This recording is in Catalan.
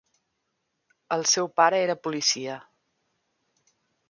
El seu pare era policia.